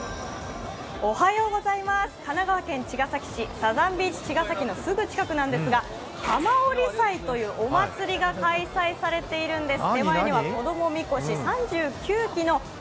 神奈川県茅ヶ崎市、サザンビーチ茅ヶ崎のすぐ近くなんですがお祭りが開催されているんです。